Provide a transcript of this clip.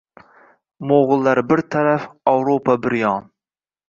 Mo’g’ullar bir taraf, Ovrupo bir yon!